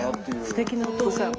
すてきなお父さん。